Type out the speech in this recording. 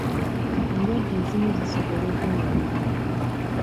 Endwadde ezimu zisobola okwewalibwa.